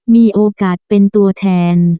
มีโอกาสเป็นตัวแทน